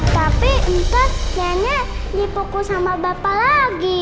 tapi entar nyenek dipukul sama bapak lagi